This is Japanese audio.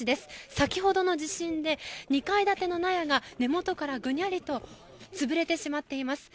先ほどの地震で２階建ての納屋が根本からぐにゃりとつぶれてしまっています。